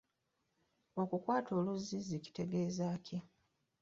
Okukwata oluzzizzi kitegeeza ki?